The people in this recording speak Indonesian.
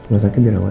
kalau sakit dirawat